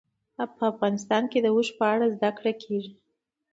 افغانستان کې د اوښ په اړه زده کړه کېږي.